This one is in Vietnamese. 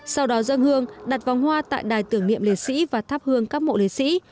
sau đó dân hương đặt vòng hoa tại đài tưởng niệm liệt sĩ và thắp hương các mộ liệt sĩ